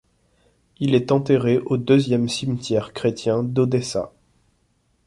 Il est enterré au Deuxième cimetière chrétien d'Odessa.